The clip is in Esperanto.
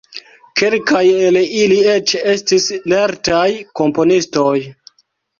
Kelkaj el ili eĉ estis lertaj komponistoj.